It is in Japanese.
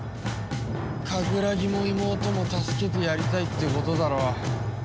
カグラギも妹も助けてやりたいってことだろ。